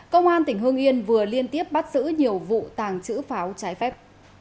công an tỉnh hương yên vừa liên tiếp bắt giữ nhiều vụ tàng trữ pháo trái phép